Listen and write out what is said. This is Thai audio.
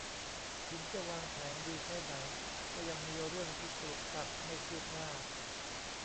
ถึงจะวางแผนดีแค่ไหนก็ยังมีเรื่องที่ขลุกขลักไม่คืบหน้า